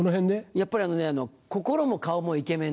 やっぱり心も顔もイケメンだって。